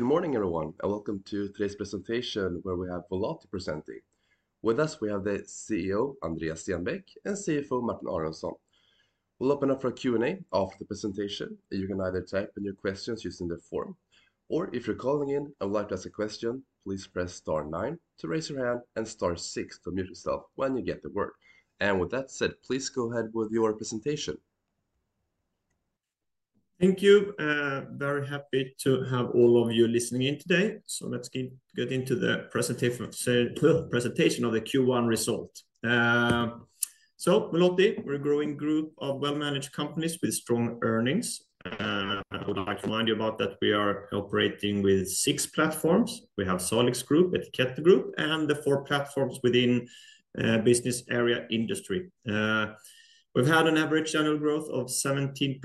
Good morning, everyone, and welcome to today's presentation, where we have Volati presenting. With us, we have the CEO, Andreas Stenbäck, and CFO, Martin Aronsson. We will open up for a Q&A after the presentation. You can either type in your questions using the form, or if you are calling in and would like to ask a question, please press star nine to raise your hand and star six to mute yourself when you get the word. With that said, please go ahead with your presentation. Thank you. Very happy to have all of you listening in today. Let's get into the presentation of the Q1 result. Volati, we're a growing group of well-managed companies with strong earnings. I would like to remind you that we are operating with six platforms. We have Solix Group, Ettiketto Group, and the four platforms within the business area industry. We've had an average annual growth of 17%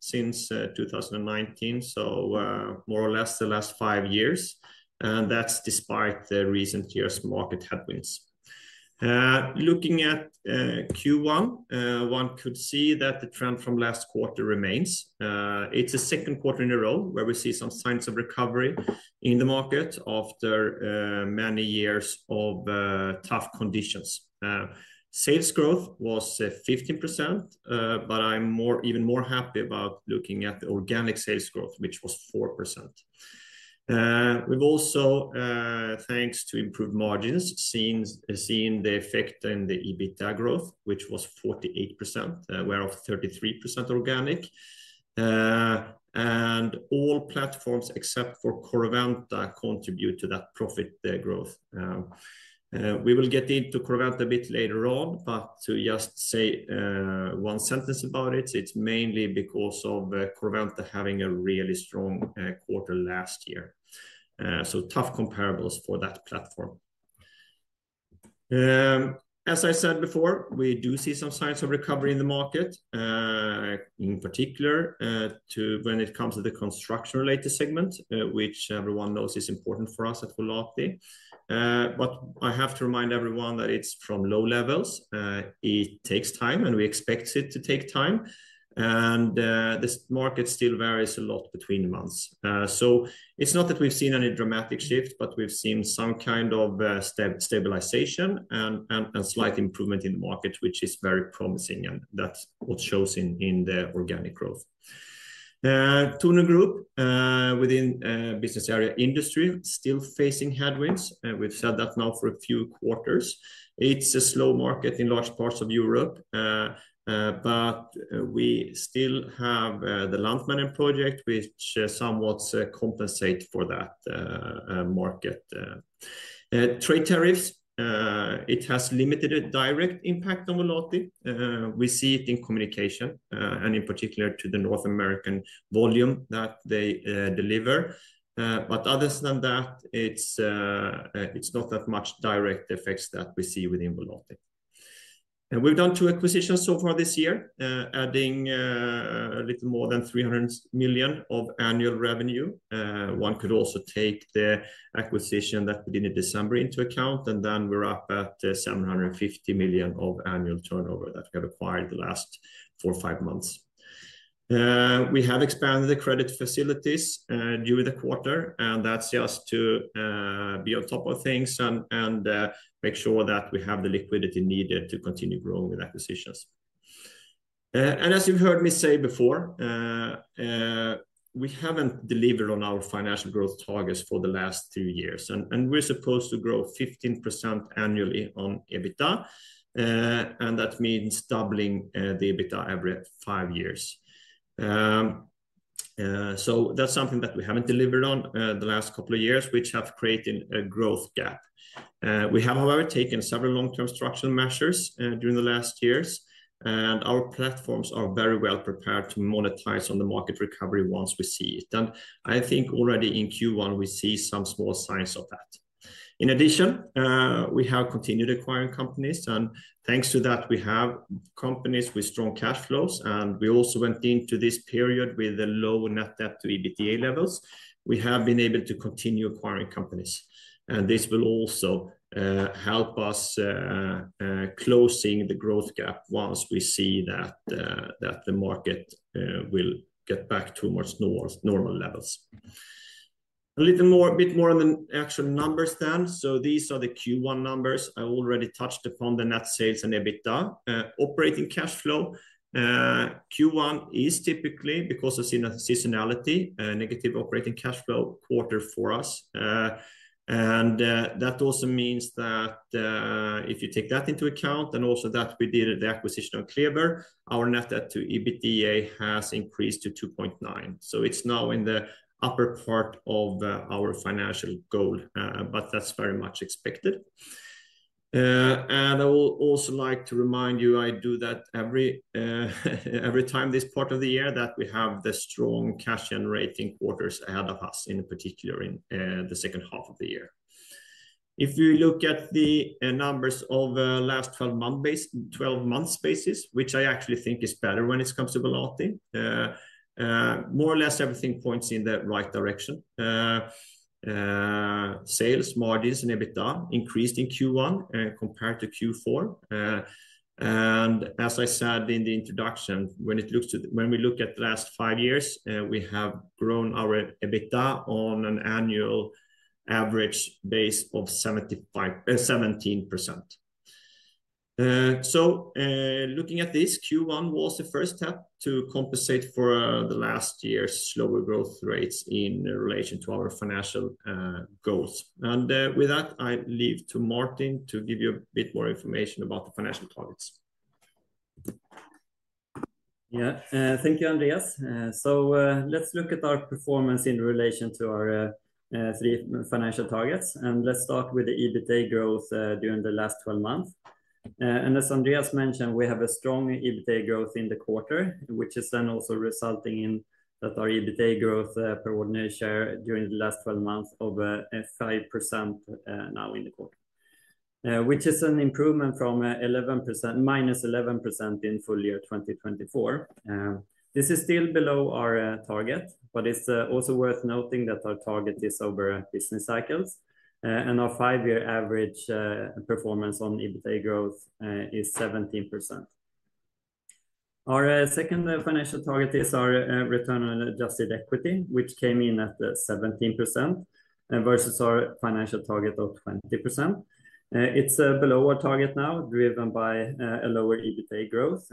since 2019, so more or less the last five years. That's despite the recent years' market headwinds. Looking at Q1, one could see that the trend from last quarter remains. It's the Q2 in a row where we see some signs of recovery in the market after many years of tough conditions. Sales growth was 15%, but I'm even more happy about looking at the organic sales growth, which was 4%. We've also, thanks to improved margins, seen the effect in the EBITDA growth, which was 48%, whereof 33% organic. All platforms except for Corroventa contribute to that profit growth. We will get into Corroventa a bit later on, but to just say one sentence about it, it's mainly because of Corroventa having a really strong quarter last year. Tough comparables for that platform. As I said before, we do see some signs of recovery in the market, in particular when it comes to the construction-related segment, which everyone knows is important for us at Volati. I have to remind everyone that it's from low levels. It takes time, and we expect it to take time. This market still varies a lot between months. It is not that we have seen any dramatic shift, but we have seen some kind of stabilization and slight improvement in the market, which is very promising. That is what shows in the organic growth. Tornum Group within the business area Industry is still facing headwinds. We have said that now for a few quarters. It is a slow market in large parts of Europe, but we still have the Lantmännen project, which somewhat compensates for that market. Trade tariffs have limited direct impact on Volati. We see it in Communication and in particular to the North American volume that they deliver. Other than that, it is not that much direct effects that we see within Volati. We have done two acquisitions so far this year, adding a little more than 300 million of annual revenue. One could also take the acquisition that we did in December into account, and then we're up at 750 million of annual turnover that we have acquired the last four or five months. We have expanded the credit facilities during the quarter, and that is just to be on top of things and make sure that we have the liquidity needed to continue growing with acquisitions. As you've heard me say before, we haven't delivered on our financial growth targets for the last two years. We're supposed to grow 15% annually on EBITDA, and that means doubling the EBITDA every five years. That is something that we haven't delivered on the last couple of years, which have created a growth gap. We have, however, taken several long-term structural measures during the last years, and our platforms are very well prepared to monetize on the market recovery once we see it. I think already in Q1, we see some small signs of that. In addition, we have continued acquiring companies. Thanks to that, we have companies with strong cash flows. We also went into this period with the low net debt to EBITDA levels. We have been able to continue acquiring companies. This will also help us close the growth gap once we see that the market will get back to more normal levels. A little bit more on the actual numbers then. These are the Q1 numbers. I already touched upon the net sales and EBITDA. Operating cash flow, Q1 is typically, because of seasonality, a negative operating cash flow quarter for us. That also means that if you take that into account and also that we did the acquisition of Kleber, our net debt to EBITDA has increased to 2.9. It is now in the upper part of our financial goal, but that is very much expected. I would also like to remind you, I do that every time this part of the year, that we have the strong cash-generating quarters ahead of us, in particular in the second half of the year. If we look at the numbers on a last 12 months' basis, which I actually think is better when it comes to Volati, more or less everything points in the right direction. Sales, margins, and EBITDA increased in Q1 compared to Q4. As I said in the introduction, when we look at the last five years, we have grown our EBITDA on an annual average base of 17%. Looking at this, Q1 was the first step to compensate for last year's slower growth rates in relation to our financial goals. With that, I leave to Martin to give you a bit more information about the financial targets. Yeah, thank you, Andreas. Let's look at our performance in relation to our three financial targets. Let's start with the EBITDA growth during the last 12 months. As Andreas mentioned, we have a strong EBITDA growth in the quarter, which is then also resulting in that our EBITDA growth per ordinary share during the last 12 months is 5% now in the quarter, which is an improvement from minus 11% in full year 2024. This is still below our target, but it's also worth noting that our target is over business cycles. Our five-year average performance on EBITDA growth is 17%. Our second financial target is our return on adjusted equity, which came in at 17% versus our financial target of 20%. It's below our target now, driven by a lower EBITDA growth.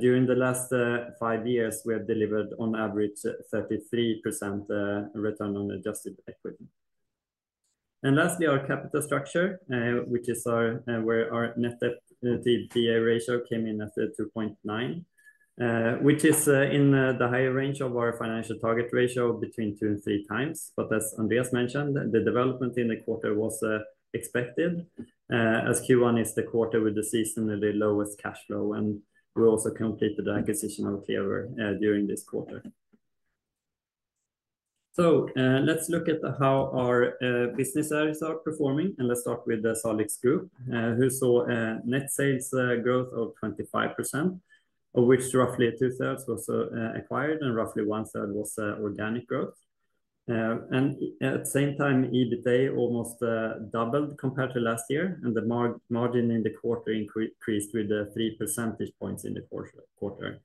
During the last five years, we have delivered on average 33% return on adjusted equity. Lastly, our capital structure, which is where our net debt to EBITDA ratio came in at 2.9, is in the higher range of our financial target ratio between 2-3 times. As Andreas mentioned, the development in the quarter was expected, as Q1 is the quarter with the seasonally lowest cash flow. We also completed the acquisition of Kleber during this quarter. Let's look at how our business areas are performing. Let's start with Solix Group, who saw a net sales growth of 25%, of which roughly two-thirds was acquired and roughly one-third was organic growth. At the same time, EBITDA almost doubled compared to last year, and the margin in the quarter increased with 3 percentage points in the quarter.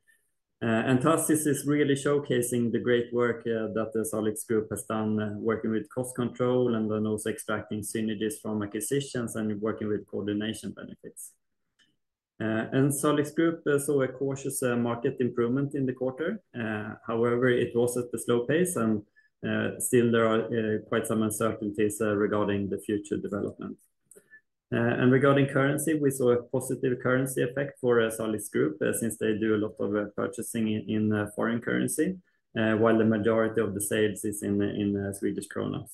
And thus this is really showcasing the great work that the Solix Group has done working with cost control and then also extracting synergies from acquisitions and working with coordination benefits. Solix Group saw a cautious market improvement in the quarter. However, it was at a slow pace, and still there are quite some uncertainties regarding the future development. Regarding currency, we saw a positive currency effect for Solix Group since they do a lot of purchasing in foreign currency, while the majority of the sales is in Swedish kronor.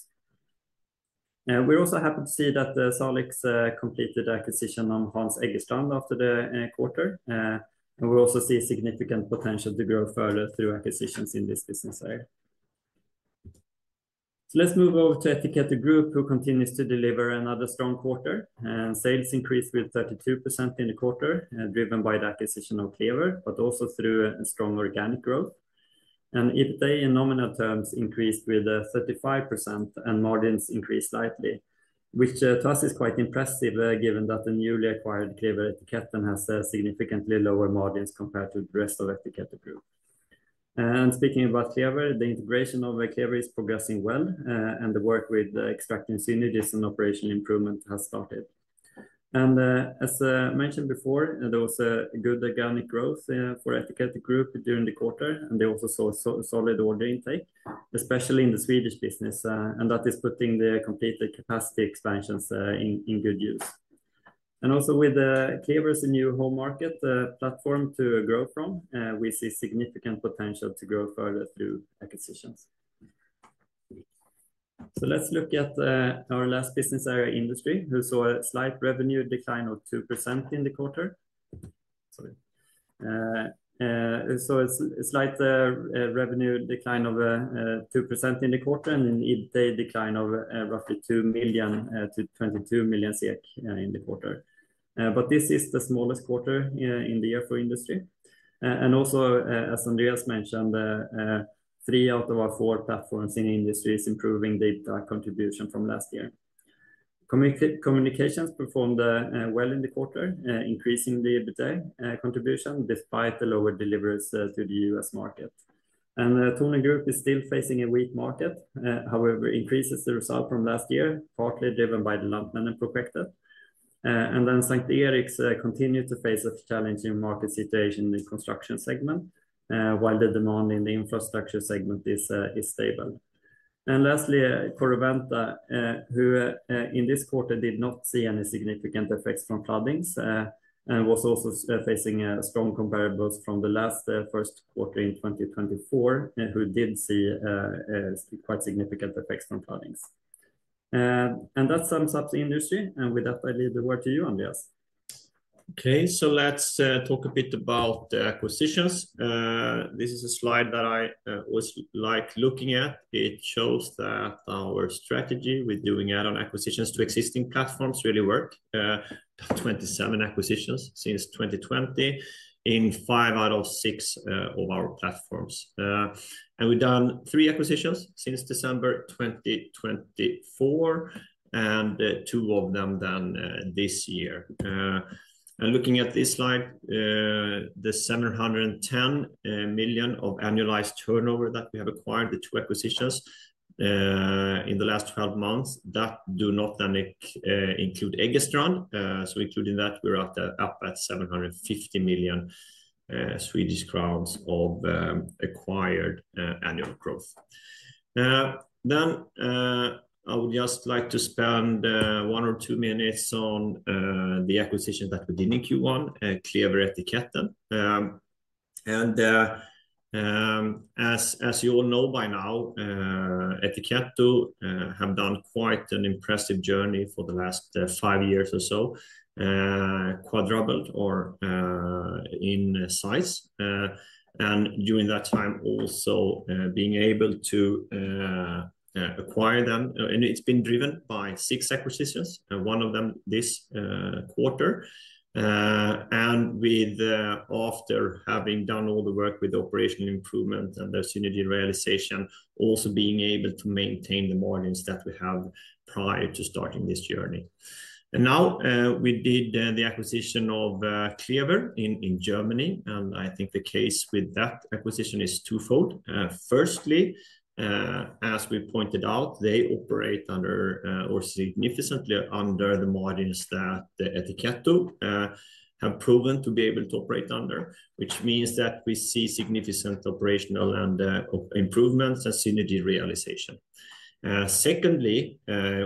We're also happy to see that Solix completed acquisition on Hans Eggestrand after the quarter. We also see significant potential to grow further through acquisitions in this business area. Let's move over to Ettiketto Group, who continues to deliver another strong quarter. Sales increased with 32% in the quarter, driven by the acquisition of Kleber, but also through strong organic growth. EBITDA in nominal terms increased with 35%, and margins increased slightly, which to us is quite impressive given that the newly acquired Klebe-Technic has significantly lower margins compared to the rest of Ettiketto Group. Speaking about Kleber, the integration of Kleber is progressing well, and the work with extracting synergies and operational improvement has started. As mentioned before, there was good organic growth for Ettiketto Group during the quarter, and they also saw solid order intake, especially in the Swedish business, and that is putting the completed capacity expansions in good use. Also with Kleber's new home market platform to grow from, we see significant potential to grow further through acquisitions. Let's look at our last business area, Industry, who saw a slight revenue decline of 2% in the quarter. We saw a slight revenue decline of 2% in the quarter and an EBITDA decline of roughly 2 million to 22 million SEK in the quarter. This is the smallest quarter in the year for Industry. Also, as Andreas mentioned, three out of our four platforms in Industry are improving their contribution from last year. Communication performed well in the quarter, increasing the EBITDA contribution despite the lower deliveries to the U.S. market. Tornum Group is still facing a weak market; however, it increases the result from last year, partly driven by the land mining project. S:t Eriks continued to face a challenging market situation in the construction segment, while the demand in the infrastructure segment is stable. Lastly, Corroventa, who in this quarter did not see any significant effects from floodings and was also facing strong comparables from the last Q1 in 2024, who did see quite significant effects from floodings. That sums up the industry. With that, I leave the word to you, Andreas. Okay, let's talk a bit about the acquisitions. This is a slide that I always like looking at. It shows that our strategy with doing add-on acquisitions to existing platforms really worked. Twenty-seven acquisitions since 2020 in five out of six of our platforms. We've done three acquisitions since December 2024 and two of them done this year. Looking at this slide, the 710 million of annualized turnover that we have acquired, the two acquisitions in the last twelve months do not include Eggestrand. Including that, we're up at 750 million Swedish crowns of acquired annual growth. I would just like to spend one or two minutes on the acquisition that we did in Q1, Kleber Ettiketto. As you all know by now, Ettiketto have done quite an impressive journey for the last five years or so, quadrupled in size. During that time, also being able to acquire them, and it's been driven by six acquisitions, one of them this quarter. After having done all the work with operational improvement and the synergy realization, also being able to maintain the margins that we have prior to starting this journey. Now we did the acquisition of Kleber in Germany. I think the case with that acquisition is twofold. Firstly, as we pointed out, they operate under or significantly under the margins that Ettiketto have proven to be able to operate under, which means that we see significant operational improvements and synergy realization. Secondly,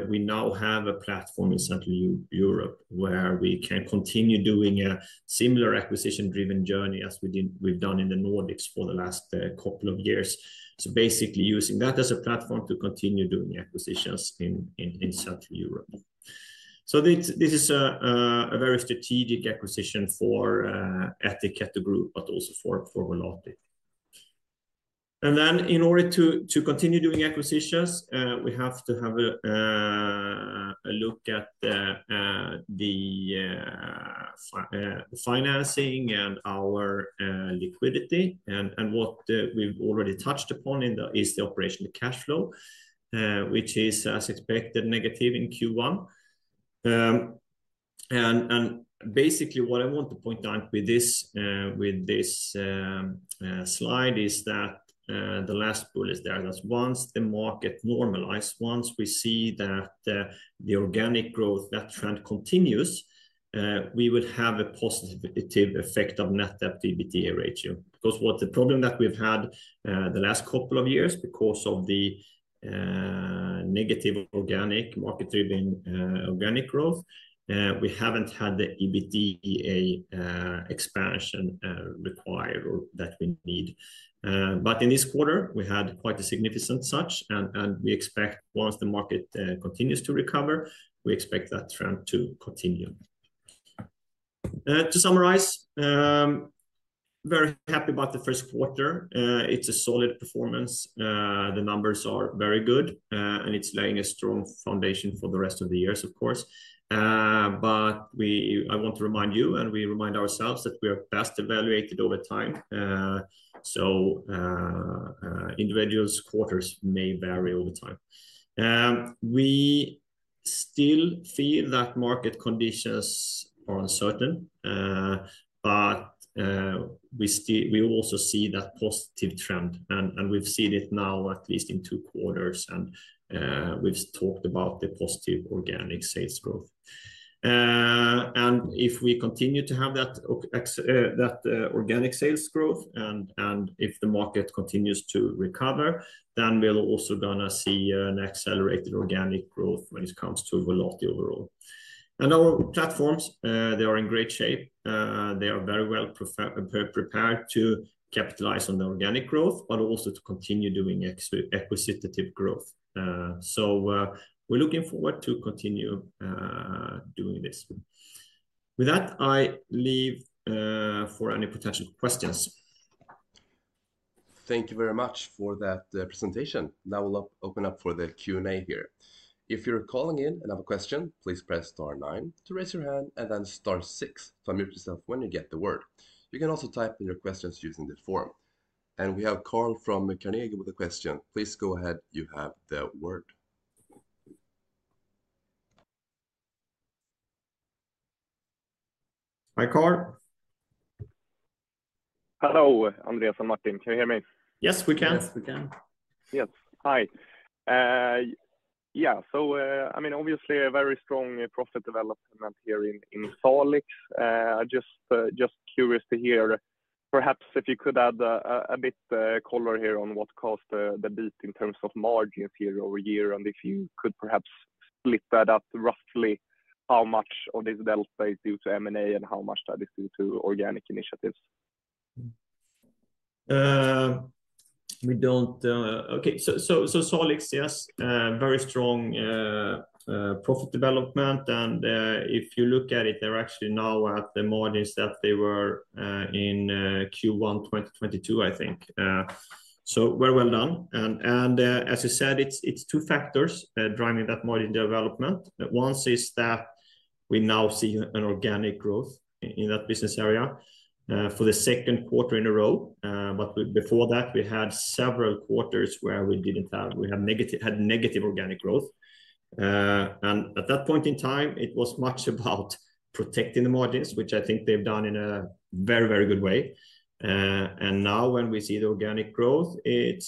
we now have a platform in Central Europe where we can continue doing a similar acquisition-driven journey as we've done in the Nordics for the last couple of years. Basically using that as a platform to continue doing acquisitions in Central Europe. This is a very strategic acquisition for Ettiketto Group, but also for Volati. In order to continue doing acquisitions, we have to have a look at the financing and our liquidity. What we've already touched upon is the operational cash flow, which is, as expected, negative in Q1. Basically what I want to point out with this slide is that the last bullet there, that once the market normalizes, once we see that the organic growth, that trend continues, we would have a positive effect of net debt to EBITDA ratio. Because what the problem that we've had the last couple of years because of the negative organic market-driven organic growth, we haven't had the EBITDA expansion required or that we need. In this quarter, we had quite a significant such. We expect once the market continues to recover, we expect that trend to continue. To summarize, very happy about the Q1. it is a solid performance. The numbers are very good, and it is laying a strong foundation for the rest of the years, of course. I want to remind you, and we remind ourselves that we are best evaluated over time. Individuals' quarters may vary over time. We still feel that market conditions are uncertain, yet we also see that positive trend. We have seen it now at least in two quarters, and we have talked about the positive organic sales growth. If we continue to have that organic sales growth, and if the market continues to recover, we are also going to see an accelerated organic growth when it comes to Volati overall. Our platforms are in great shape. They are very well prepared to capitalize on the organic growth, but also to continue doing acquisitive growth. We are looking forward to continue doing this. With that, I leave for any potential questions. Thank you very much for that presentation. Now we'll open up for the Q&A here. If you're calling in and have a question, please press star nine to raise your hand and then star six to unmute yourself when you get the word. You can also type in your questions using the form. We have Carl from Carnegie with a question. Please go ahead. You have the word. Hi, Carl. Hello, Andreas and Martin. Can you hear me? Yes, we can. Yes, we can. Yes. Hi. Yeah, so I mean, obviously a very strong profit development here in Solix. I'm just curious to hear, perhaps if you could add a bit of color here on what caused the beat in terms of margins year over year, and if you could perhaps split that up roughly, how much of this delta is due to M&A and how much that is due to organic initiatives. Okay, so Solix, yes, very strong profit development. If you look at it, they're actually now at the margins that they were in Q1 2022, I think. Very well done. As you said, it's two factors driving that margin development. One is that we now see an organic growth in that business area for the Q2 in a row. Before that, we had several quarters where we had negative organic growth. At that point in time, it was much about protecting the margins, which I think they've done in a very, very good way. Now when we see the organic growth, it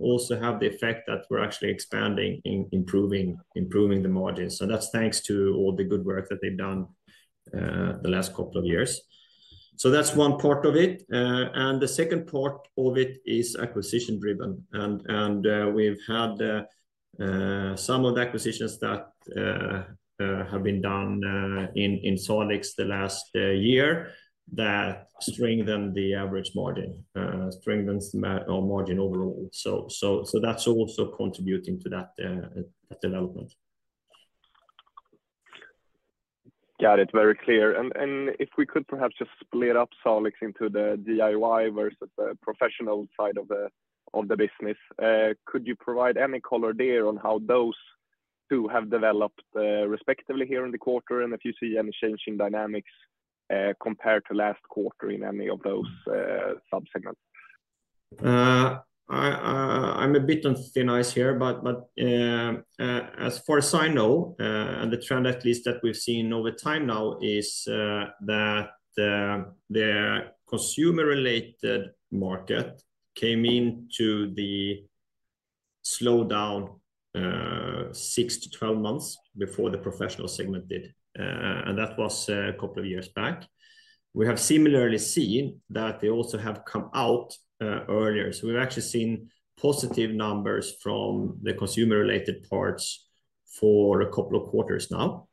also has the effect that we're actually expanding, improving the margins. That's thanks to all the good work that they've done the last couple of years. That's one part of it. The second part of it is acquisition-driven. We have had some of the acquisitions that have been done in Solix the last year that strengthened the average margin, strengthened our margin overall. That is also contributing to that development. Got it. Very clear. If we could perhaps just split up Solix into the DIY versus the professional side of the business, could you provide any color there on how those two have developed respectively here in the quarter? If you see any change in dynamics compared to last quarter in any of those subsegments? I'm a bit unfinished here, but as far as I know, and the trend at least that we've seen over time now is that the consumer-related market came into the slowdown 6 to 12 months before the professional segment did. That was a couple of years back. We have similarly seen that they also have come out earlier. We've actually seen positive numbers from the consumer-related parts for a couple of quarters now.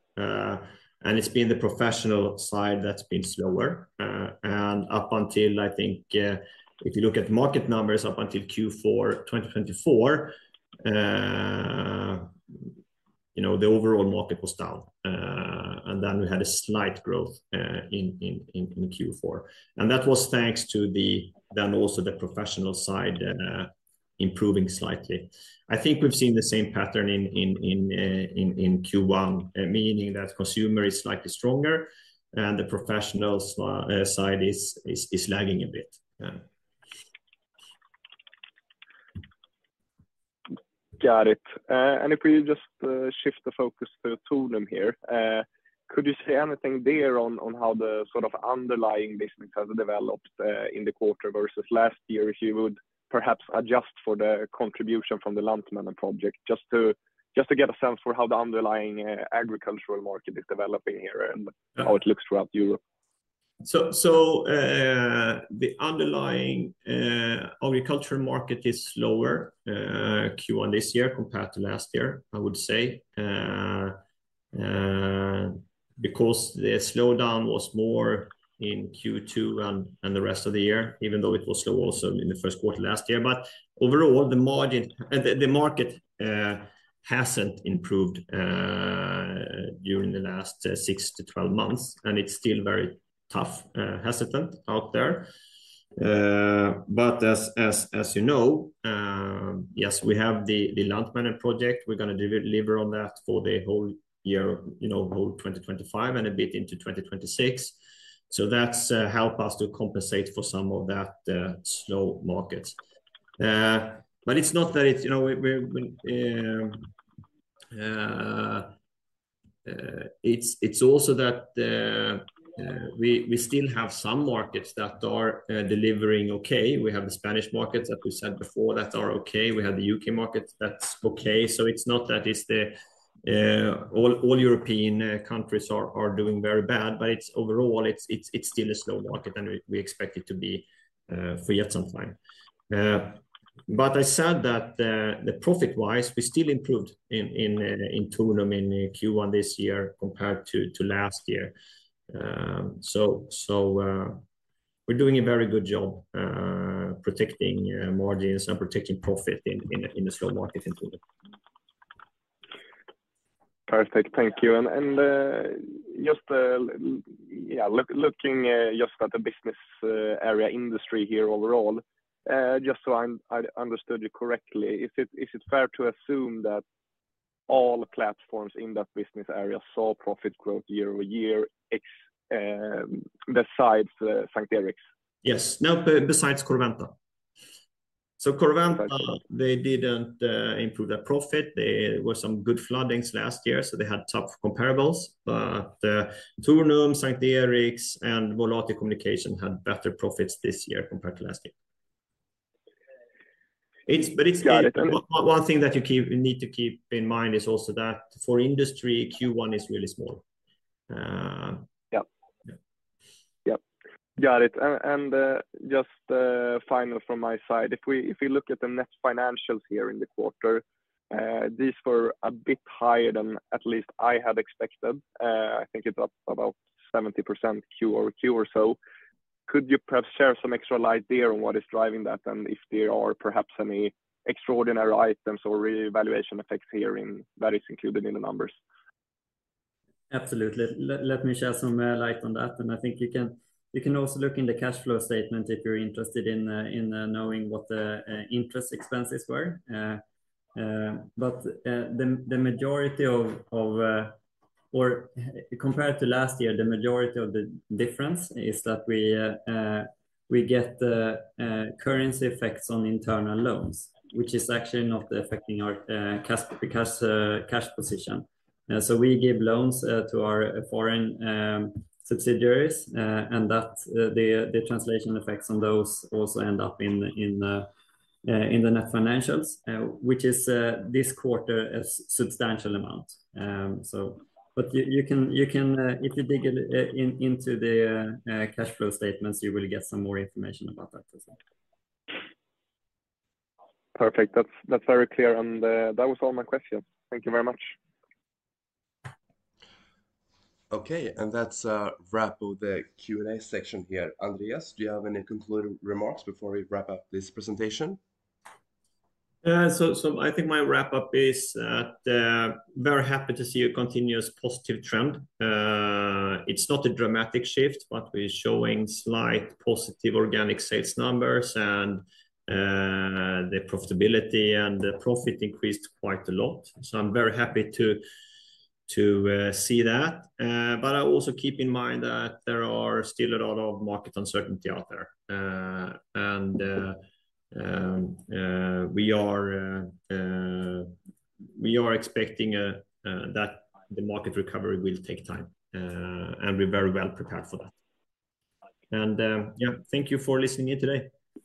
It's been the professional side that's been slower. Up until, I think, if you look at market numbers up until Q4 2024, the overall market was down. We had a slight growth in Q4. That was thanks to the then also the professional side improving slightly. I think we've seen the same pattern in Q1, meaning that consumer is slightly stronger and the professional side is lagging a bit. Got it. If we just shift the focus to Tornum here, could you say anything there on how the sort of underlying business has developed in the quarter versus last year if you would perhaps adjust for the contribution from the land mining project just to get a sense for how the underlying agricultural market is developing here and how it looks throughout Europe? The underlying agricultural market is slower in Q1 this year compared to last year, I would say, because the slowdown was more in Q2 and the rest of the year, even though it was slow also in the Q1 last year. Overall, the market has not improved during the last 6-12 months, and it is still very tough, hesitant out there. As you know, yes, we have the land mining project. We are going to deliver on that for the whole year, whole 2025 and a bit into 2026. That has helped us to compensate for some of that slow market. It is not that it is, it is also that we still have some markets that are delivering okay. We have the Spanish markets that we said before that are okay. We have the U.K. market that is okay. It is not that all European countries are doing very bad, but overall, it is still a slow market, and we expect it to be for yet some time. I said that profit-wise, we still improved in Tornum in Q1 this year compared to last year. We are doing a very good job protecting margins and protecting profit in the slow market in Tornum. Perfect. Thank you. Just looking just at the business area Industry here overall, just so I understood you correctly, is it fair to assume that all platforms in that business area saw profit growth year over year besides S:t Eriks? Yes. Now, besides Corroventa. So Corroventa, they did not improve their profit. There were some good floodings last year, so they had tough comparables. Tornum and S:t Eriks and Volati Communication had better profits this year compared to last year. One thing that you need to keep in mind is also that for industry, Q1 is really small. Yep. Yep. Got it. Just final from my side, if we look at the net financials here in the quarter, these were a bit higher than at least I had expected. I think it's up about 70% Q or Q or so. Could you perhaps share some extra light there on what is driving that and if there are perhaps any extraordinary items or reevaluation effects here that is included in the numbers? Absolutely. Let me share some light on that. I think you can also look in the cash flow statement if you're interested in knowing what the interest expenses were. The majority of, or compared to last year, the majority of the difference is that we get currency effects on internal loans, which is actually not affecting our cash position. We give loans to our foreign subsidiaries, and the translation effects on those also end up in the net financials, which is this quarter a substantial amount. If you dig into the cash flow statements, you will get some more information about that as well. Perfect. That is very clear. That was all my questions. Thank you very much. Okay. That is a wrap of the Q&A section here. Andreas, do you have any concluding remarks before we wrap up this presentation? I think my wrap-up is that we're very happy to see a continuous positive trend. It's not a dramatic shift, but we're showing slight positive organic sales numbers and the profitability and the profit increased quite a lot. I'm very happy to see that. I also keep in mind that there are still a lot of market uncertainty out there. We are expecting that the market recovery will take time, and we're very well prepared for that. Yeah, thank you for listening in today.